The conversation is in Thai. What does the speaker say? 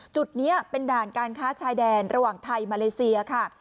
จุดนี้เป็นด่านการค้าชายแดนระหว่างไทยมาเลเซียค่ะ